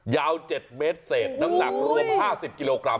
ยาว๗เมตรเศษน้ำหนักรวม๕๐กิโลกรัม